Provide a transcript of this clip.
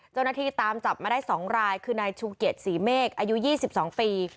เจ้าหน้าที่ตามจับมาได้๒รายคือนายชูเกียจศรีเมฆอายุ๒๒ปี